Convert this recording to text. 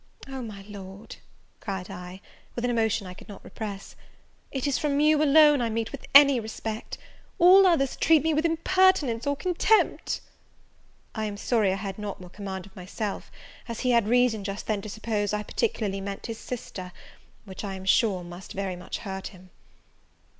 "O, my Lord," cried I, with an emotion I could not repress, "it is from you alone I meet with any respect; all others treat me with impertinence, or contempt!" I am sorry I had not more command of myself, as he had reason just then to suppose I particularly meant his sister; which, I am sure, must very much hurt him.